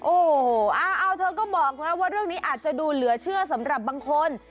โอ้โหเอาเธอก็บอกนะว่าเรื่องนี้อาจจะดูเหลือเชื่อสำหรับบางคน